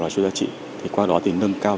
truy xuất giá trị thì qua đó thì nâng cao